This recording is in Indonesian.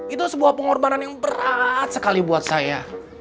itu sebuah pengorbanan yang berat sekali buat saya